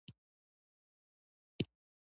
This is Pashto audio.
قومونه د افغانستان د صادراتو برخه ده.